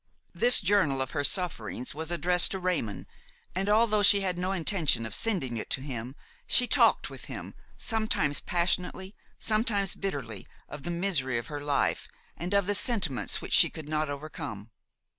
This journal of her sufferings was addressed to Raymon, and, although she had no intention of sending it to him, she talked with him, sometimes passionately, sometimes bitterly, of the misery of her life and of the sentiments which she could not overcome.